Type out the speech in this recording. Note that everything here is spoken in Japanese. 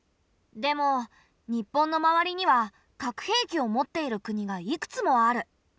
でも日本の周りには核兵器を持っている国がいくつもある。